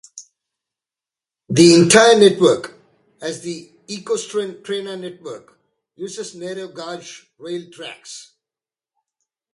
The entire network, as the Euskotren Trena network, uses narrow gauge rail tracks.